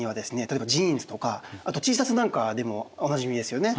例えばジーンズとかあとＴシャツなんかでもおなじみですよね。